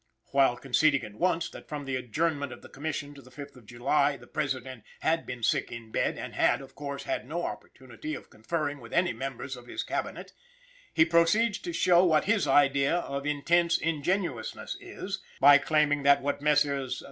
While conceding at once that from the adjournment of the Commission to the 5th of July, the President "had been sick in bed, and had, of course, had no opportunity of conferring with any members of his Cabinet;" he proceeds to show what his idea of intense ingenuousness is, by claiming that what "Messrs.